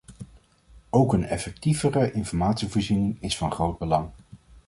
Ook een effectievere informatievoorziening is van groot belang.